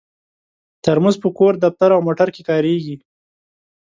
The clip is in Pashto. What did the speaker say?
ترموز په کور، دفتر او موټر کې کارېږي.